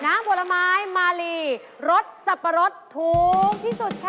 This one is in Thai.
น้ำบวรมายมาลีรสสับปะรดถูกที่สุดค่ะ